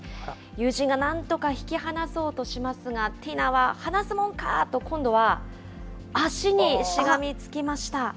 友人がなんとか引き離そうとしますが、ティナは離すもんかと、今度は足にしがみつきました。